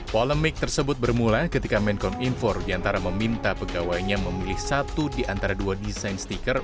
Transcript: polemik tersebut bermula ketika menkomunikasi diantara meminta pegawainya memilih satu di antara dua desain sticker